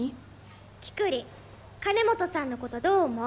キクリン金本さんのことどう思う？